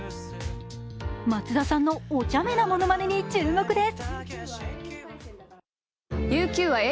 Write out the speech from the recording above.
松田さんのお茶目なものまねに注目です。